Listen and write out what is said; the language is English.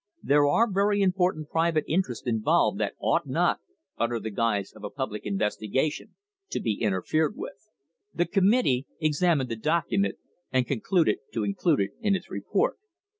There are very important private interests involved that ought not, under the guise of a public investigation, to be interfered with." The committee examined the document and concluded to include it in its report.